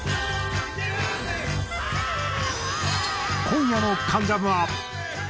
今夜の『関ジャム』は。